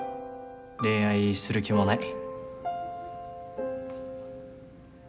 恋愛する気もない。